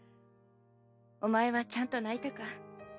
お前はちゃんと泣いたか？